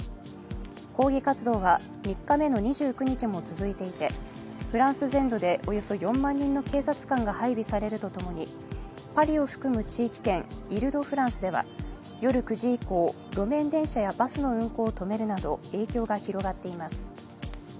抗議活動は３日目の２９日も続いていて、フランス全土でおよそ４万人の警察官が配備されるとともに、パリを含む地域圏イル・ド・フランスでは夜９時以降路面電車やバスの運行を止めるなど影響が広がっています。